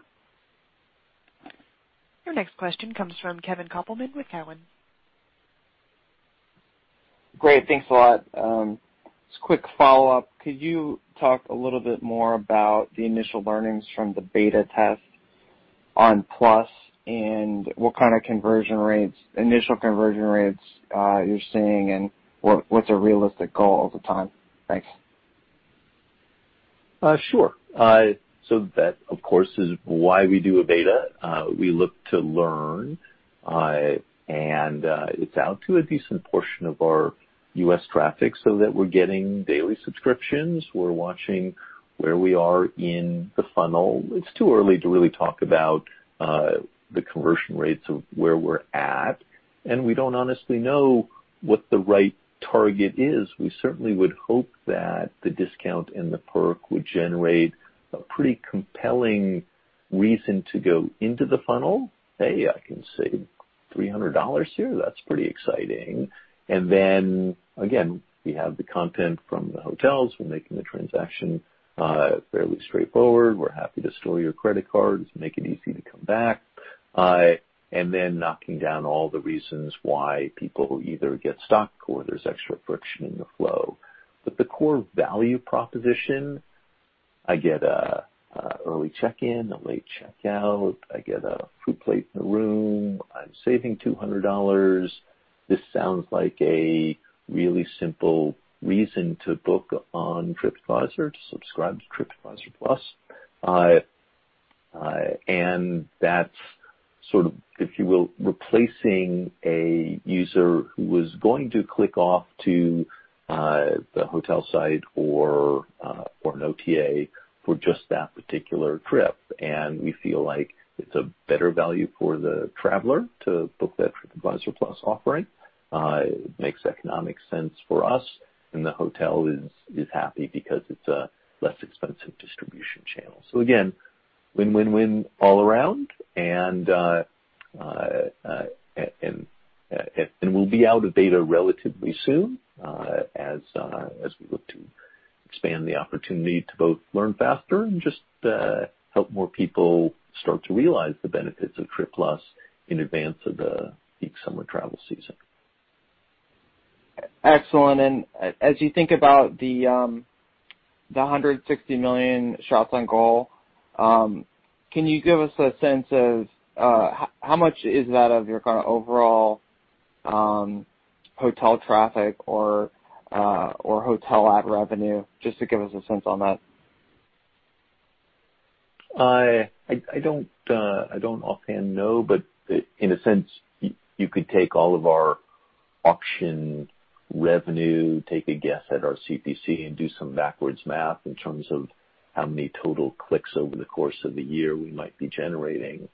Your next question comes from Kevin Kopelman with Cowen. Great, thanks a lot. Just quick follow-up. Could you talk a little bit more about the initial learnings from the beta test on Plus and what initial conversion rates you're seeing, and what's a realistic goal over time? Thanks. Sure. That, of course, is why we do a beta. We look to learn, and it's out to a decent portion of our U.S. traffic so that we're getting daily subscriptions. We're watching where we are in the funnel. It's too early to really talk about the conversion rates of where we're at, and we don't honestly know what the right target is. We certainly would hope that the discount and the perk would generate a pretty compelling reason to go into the funnel. "Hey, I can save $300 here. That's pretty exciting." Then, again, we have the content from the hotels. We're making the transaction fairly straightforward. We're happy to store your credit cards, make it easy to come back, and then knocking down all the reasons why people either get stuck or there's extra friction in the flow. The core value proposition, I get a early check-in, a late check-out. I get a fruit plate in the room. I'm saving $200. This sounds like a really simple reason to book on TripAdvisor, to subscribe to TripAdvisor Plus. That's sort of, if you will, replacing a user who was going to click off to the hotel site or an OTA for just that particular trip. We feel like it's a better value for the traveler to book that TripAdvisor Plus offering. It makes economic sense for us, and the hotel is happy because it's a less expensive distribution channel. Again, win-win-win all around, and we'll be out of beta relatively soon, as we look to expand the opportunity to both learn faster and just help more people start to realize the benefits of Trip Plus in advance of the peak summer travel season. Excellent. As you think about the 160 million shots on goal, can you give us a sense of how much is that of your kind of overall hotel traffic or hotel ad revenue? Just to give us a sense on that. I don't offhand know, but in a sense, you could take all of our auction revenue, take a guess at our CPC, and do some backwards math in terms of how many total clicks over the course of the year we might be generating.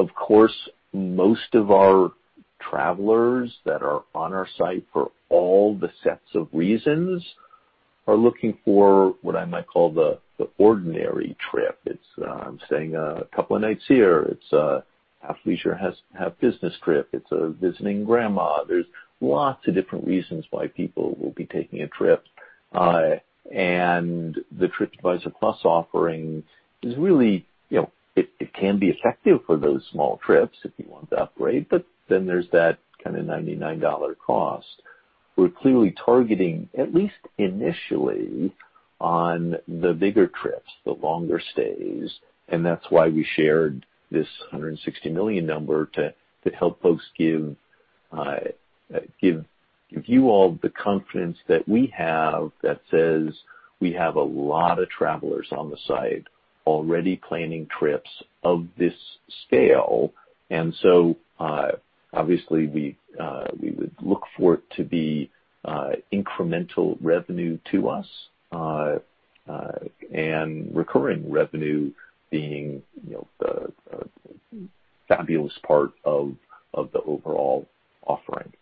Of course, most of our travelers that are on our site for all the sets of reasons are looking for what I might call the ordinary trip. It's I'm staying a couple of nights here. It's half leisure, half business trip. It's visiting grandma. There's lots of different reasons why people will be taking a trip, and the TripAdvisor Plus offering, it can be effective for those small trips if you want the upgrade, but then there's that kind of $99 cost. We're clearly targeting, at least initially, on the bigger trips, the longer stays, and that's why we shared this 160 million number to help folks give you all the confidence that we have that says we have a lot of travelers on the site already planning trips of this scale. Obviously, we would look for it to be incremental revenue to us, and recurring revenue being the fabulous part of the overall offering.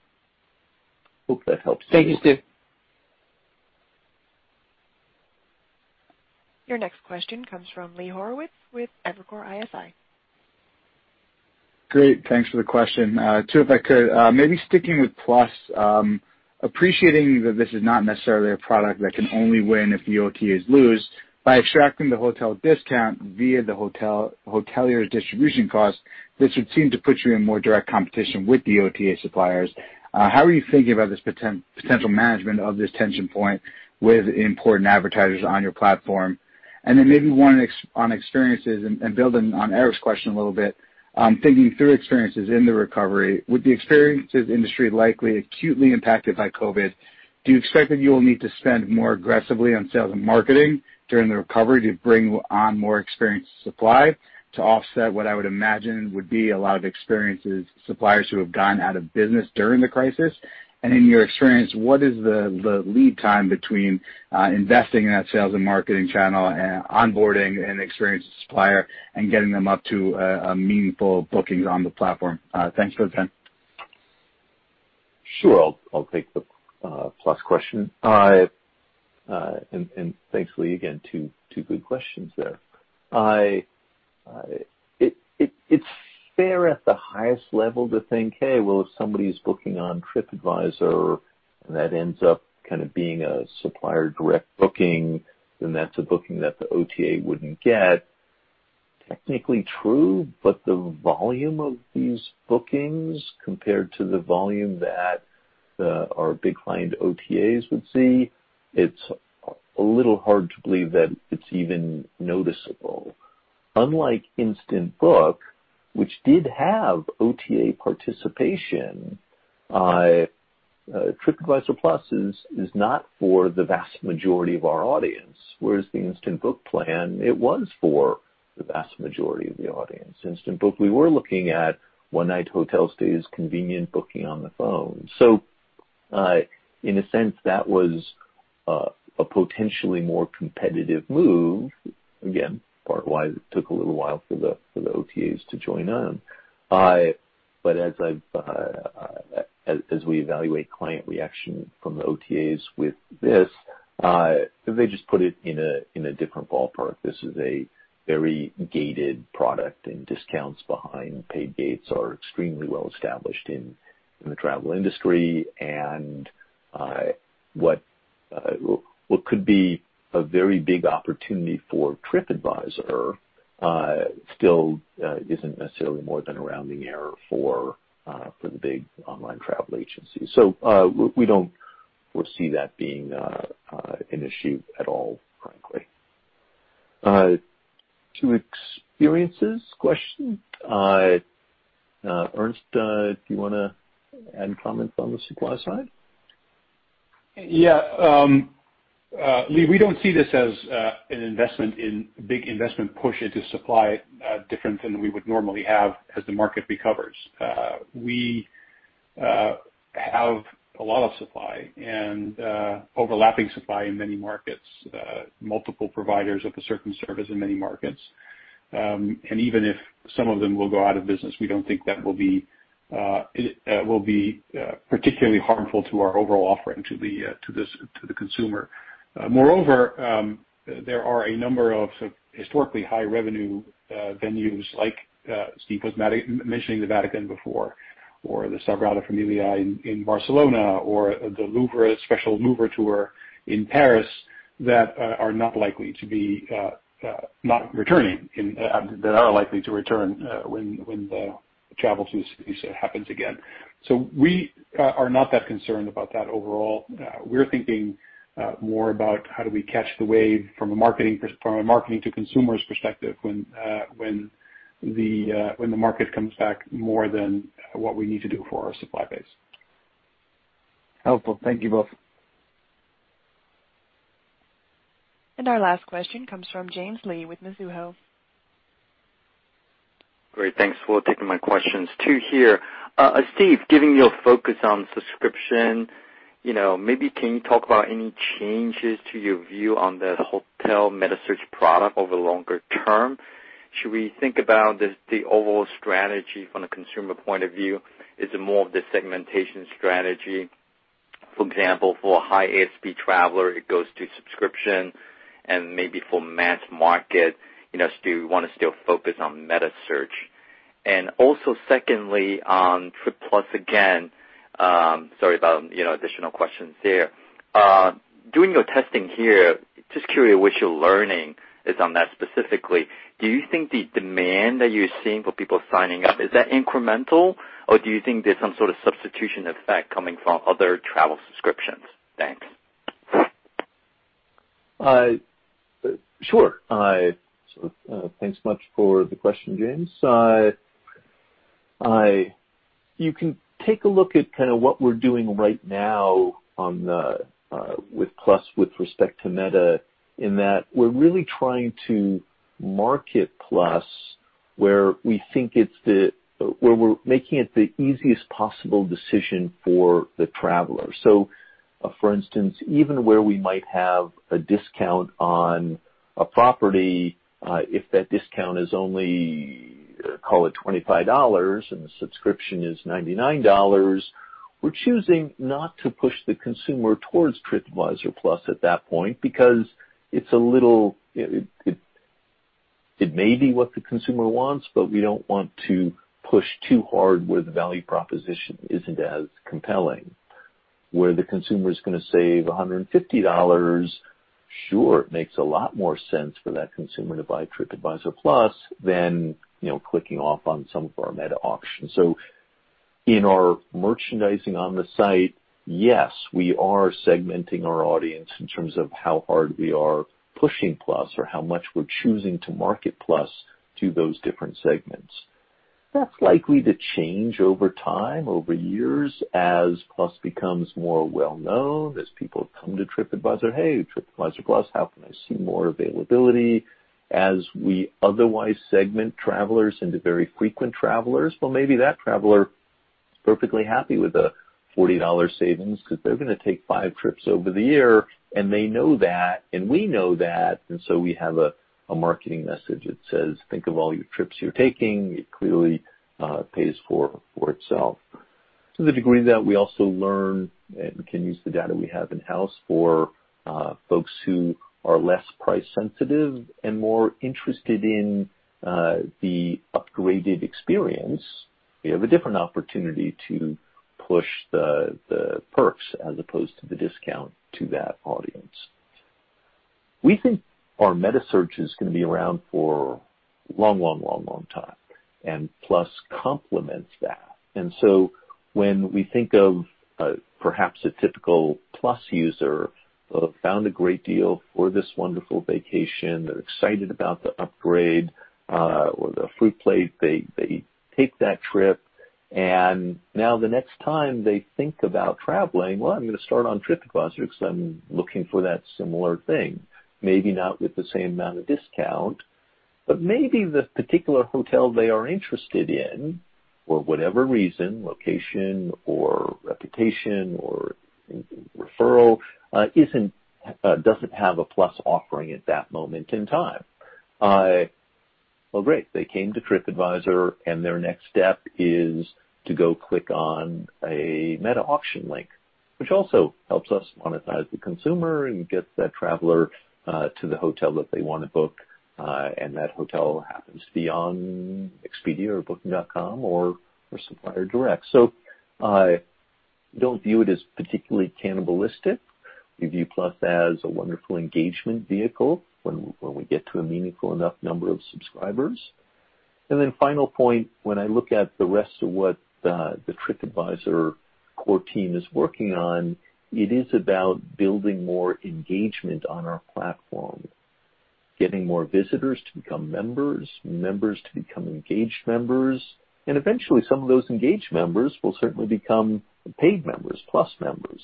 Hope that helps. Thank you, Steve. Your next question comes from Lee Horowitz with Evercore ISI. Great. Thanks for the question. Two, if I could, maybe sticking with Plus, appreciating that this is not necessarily a product that can only win if the OTAs lose. By extracting the hotel discount via the hotelier's distribution cost, this would seem to put you in more direct competition with the OTA suppliers. How are you thinking about this potential management of this tension point with important advertisers on your platform? Then maybe one on experiences and building on Eric's question a little bit, thinking through experiences in the recovery, with the experiences industry likely acutely impacted by COVID, do you expect that you will need to spend more aggressively on sales and marketing during the recovery to bring on more experiences supply to offset what I would imagine would be a lot of experiences suppliers who have gone out of business during the crisis? In your experience, what is the lead time between investing in that sales and marketing channel and onboarding an experienced supplier and getting them up to meaningful bookings on the platform? Thanks for the time. Sure. I'll take the Plus question. Thanks, Lee, again, two good questions there. It's fair at the highest level to think, hey, well, if somebody's booking on TripAdvisor and that ends up kind of being a supplier direct booking, then that's a booking that the OTA wouldn't get. Technically true, but the volume of these bookings compared to the volume that our big client OTAs would see, it's a little hard to believe that it's even noticeable. Unlike Instant Book, which did have OTA participation, TripAdvisor Plus is not for the vast majority of our audience, whereas the Instant Book plan, it was for the vast majority of the audience. Instant Book, we were looking at one-night hotel stays, convenient booking on the phone. In a sense, that was a potentially more competitive move. Part of why it took a little while for the OTAs to join in. As we evaluate client reaction from the OTAs with this, they just put it in a different ballpark. This is a very gated product, and discounts behind paid gates are extremely well established in the travel industry. What could be a very big opportunity for TripAdvisor still isn't necessarily more than a rounding error for the big online travel agencies. We don't foresee that being an issue at all, frankly. Two experiences question. Ernst, do you want to add comments on the supply side? Yeah. Lee, we don't see this as a big investment push into supply different than we would normally have as the market recovers. We have a lot of supply and overlapping supply in many markets, multiple providers of a certain service in many markets. Even if some of them will go out of business, we don't think that will be particularly harmful to our overall offering to the consumer. Moreover, there are a number of historically high revenue venues like Steve was mentioning the Vatican before, or the Sagrada Familia in Barcelona, or the special Louvre tour in Paris, that are not likely to return when the travel happens again. We are not that concerned about that overall. We're thinking more about how do we catch the wave from a marketing to consumers perspective when the market comes back more than what we need to do for our supply base. Helpful. Thank you both. Our last question comes from James Lee with Mizuho. Great. Thanks for taking my questions. Two here. Steve, giving your focus on subscription, maybe can you talk about any changes to your view on the hotel metasearch product over longer term? Should we think about the overall strategy from a consumer point of view? Is it more of the segmentation strategy? For example, for a high ASP traveler, it goes to subscription. Maybe for mass market, do we want to still focus on metasearch? Also secondly, on TripAdvisor Plus again, sorry about additional questions there. Doing your testing here, just curious what you're learning is on that specifically. Do you think the demand that you're seeing for people signing up, is that incremental, or do you think there's some sort of substitution effect coming from other travel subscriptions? Thanks. Sure. Thanks much for the question, James. You can take a look at what we're doing right now with Plus with respect to meta, in that we're really trying to market Plus where we're making it the easiest possible decision for the traveler. For instance, even where we might have a discount on a property, if that discount is only, call it $25, and the subscription is $99, we're choosing not to push the consumer towards TripAdvisor Plus at that point, because it may be what the consumer wants, but we don't want to push too hard where the value proposition isn't as compelling. Where the consumer's going to save $150, sure, it makes a lot more sense for that consumer to buy TripAdvisor Plus than clicking off on some of our meta auctions. In our merchandising on the site, yes, we are segmenting our audience in terms of how hard we are pushing Plus or how much we're choosing to market Plus to those different segments. That's likely to change over time, over years, as Plus becomes more well-known, as people come to TripAdvisor, "Hey, TripAdvisor Plus, how can I see more availability?" As we otherwise segment travelers into very frequent travelers. Well, maybe that traveler is perfectly happy with a $40 savings because they're going to take five trips over the year, and they know that, and we know that, and so we have a marketing message that says, "Think of all your trips you're taking. It clearly pays for itself. To the degree that we also learn and can use the data we have in-house for folks who are less price sensitive and more interested in the upgraded experience, we have a different opportunity to push the perks as opposed to the discount to that audience. We think our metasearch is going to be around for a long time, and Plus complements that. When we think of perhaps a typical Plus user found a great deal for this wonderful vacation, they're excited about the upgrade or the fruit plate. They take that trip. Now the next time they think about traveling, "Well, I'm going to start on TripAdvisor because I'm looking for that similar thing." Maybe not with the same amount of discount. Maybe the particular hotel they are interested in, for whatever reason, location or reputation or referral, doesn't have a Plus offering at that moment in time. Well, great. They came to TripAdvisor. Their next step is to go click on a meta auction link, which also helps us monetize the consumer and gets that traveler to the hotel that they want to book, and that hotel happens to be on Expedia or Booking.com or supplier direct. I don't view it as particularly cannibalistic. We view Plus as a wonderful engagement vehicle when we get to a meaningful enough number of subscribers. Then final point, when I look at the rest of what the TripAdvisor core team is working on, it is about building more engagement on our platform, getting more visitors to become members to become engaged members, and eventually some of those engaged members will certainly become paid members, Plus members.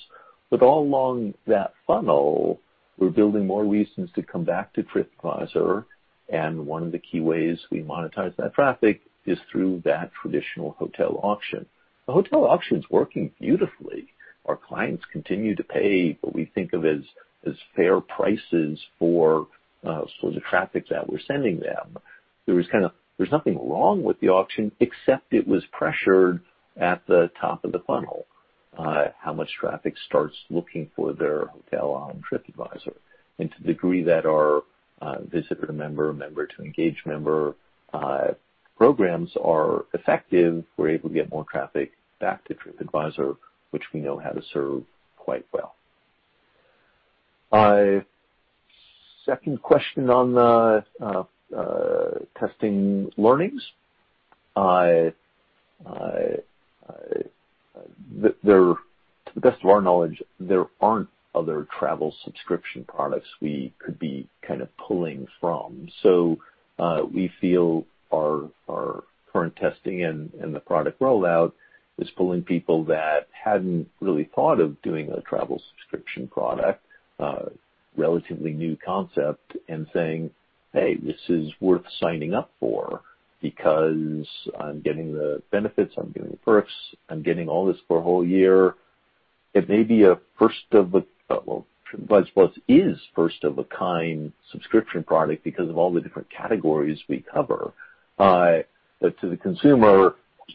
All along that funnel, we're building more reasons to come back to TripAdvisor, and one of the key ways we monetize that traffic is through that traditional hotel auction. The hotel auction's working beautifully. Our clients continue to pay what we think of as fair prices for the traffic that we're sending them. There's nothing wrong with the auction, except it was pressured at the top of the funnel, how much traffic starts looking for their hotel on TripAdvisor. To the degree that our visitor to member to engaged member programs are effective, we're able to get more traffic back to TripAdvisor, which we know how to serve quite well. Second question on the testing learnings. To the best of our knowledge, there aren't other travel subscription products we could be pulling from. We feel our current testing and the product rollout is pulling people that hadn't really thought of doing a travel subscription product, a relatively new concept, and saying, "Hey, this is worth signing up for because I'm getting the benefits, I'm getting the perks, I'm getting all this for a whole year." TripAdvisor Plus is first of a kind subscription product because of all the different categories we cover. To the consumer,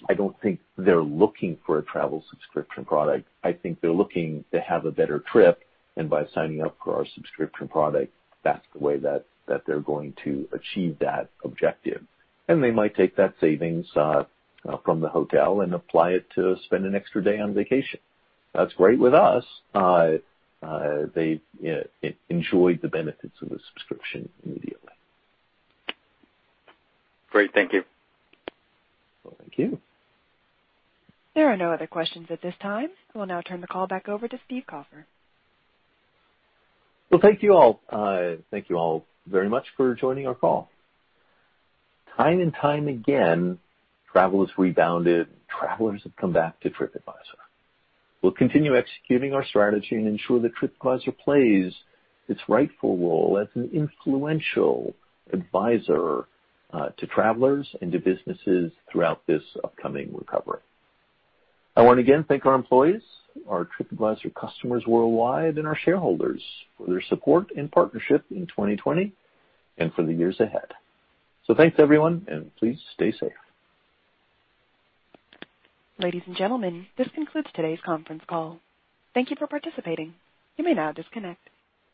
I don't think they're looking for a travel subscription product. I think they're looking to have a better trip, and by signing up for our subscription product, that's the way that they're going to achieve that objective. They might take that savings from the hotel and apply it to spend an extra day on vacation. That's great with us. They enjoyed the benefits of the subscription immediately. Great. Thank you. Well, thank you. There are no other questions at this time. We'll now turn the call back over to Steve Kaufer. Well, thank you all. Thank you all very much for joining our call. Time and time again, travel has rebounded, and travelers have come back to TripAdvisor. We'll continue executing our strategy and ensure that TripAdvisor plays its rightful role as an influential advisor to travelers and to businesses throughout this upcoming recovery. I want to again thank our employees, our TripAdvisor customers worldwide, and our shareholders for their support and partnership in 2020 and for the years ahead. Thanks, everyone, and please stay safe. Ladies and gentlemen, this concludes today's conference call. Thank you for participating. You may now disconnect.